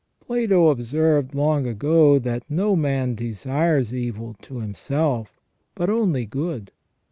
Plato observed, long ago, that no man desires evil to himself, but only good.